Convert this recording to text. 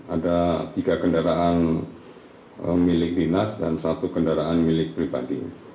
ada tiga kendaraan milik dinas dan satu kendaraan milik pribadi